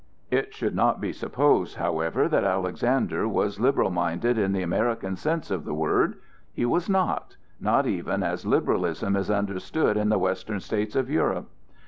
It should not be supposed, however, that Alexander was liberal minded in the American sense of the word; he was not,—not even as liberalism is understood in the western states of Europe.